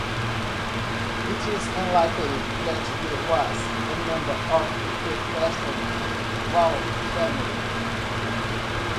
It is unlikely that he was a member of the Preston Wall family.